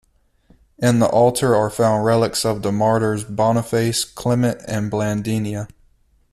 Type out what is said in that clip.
In the altar are found relics of the martyrs Boniface, Clement and Blandinia.